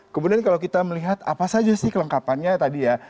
kemudian kalau kita melihat apa saja sih kelengkapannya tadi ya